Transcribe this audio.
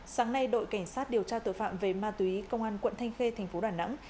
sáng nay đội cảnh sát điều tra tội phạm về ma túy công an quận thanh khê thành phố đà nẵng